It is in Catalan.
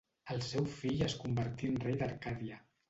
El seu fill es convertí en rei d'Arcàdia.